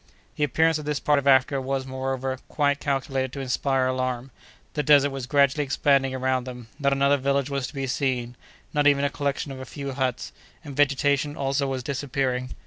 The appearance of this part of Africa was, moreover, quite calculated to inspire alarm: the desert was gradually expanding around them; not another village was to be seen—not even a collection of a few huts; and vegetation also was disappearing.